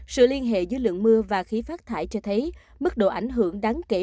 sự liên hệ giữa lượng mưa và khí phát thải cho thấy mức độ ảnh hưởng đáng kể